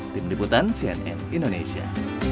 tim diputan cnn indonesia